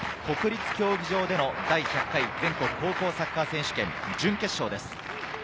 国立競技場での第１００回全国高校サッカー選手権準決勝です。